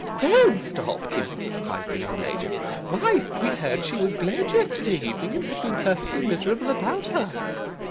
'Well, Mr. Hopkins!' cries the young lady, 'why, we heard she was bled yesterday evening, and have been perfectly miserable about her.